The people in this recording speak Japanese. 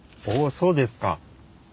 そうですか。